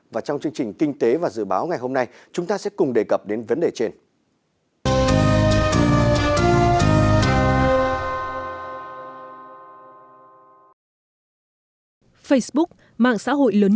và trong chương trình kinh tế và dự báo ngày hôm nay chúng ta sẽ cùng đề cập đến vấn đề trên